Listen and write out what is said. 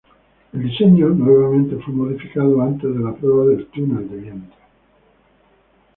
El diseño nuevamente fue modificado antes de la prueba del túnel de viento.